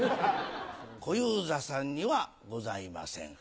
小遊三さんにはございません。